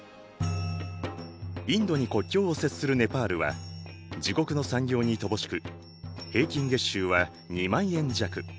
インドに国境を接するネパールは自国の産業に乏しく平均月収は２万円弱。